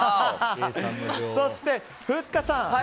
そして、ふっかさん。